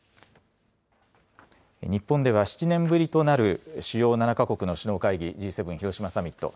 日本では７年ぶりとなる主要７か国の首脳会議、Ｇ７広島サミット。